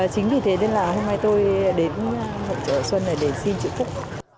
chính vì thế nên là hôm nay tôi đến hội chợ xuân này để xin chữ phúc